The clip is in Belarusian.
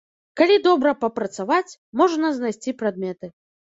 Калі добра папрацаваць, можна знайсці прадметы.